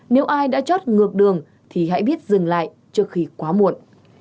nếu ai đã chót ngược đường thì hãy biết dừng lại trước khi quá muộn